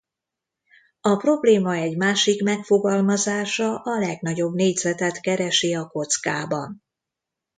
A probléma egy másik megfogalmazása a legnagyobb négyzetet keresi a kockában.